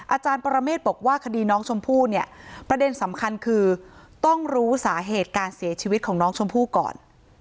อาจารย์ปรเมฆบอกว่าคดีน้องชมพู่เนี่ยประเด็นสำคัญคือต้องรู้สาเหตุการเสียชีวิตของน้องชมพู่ก่อน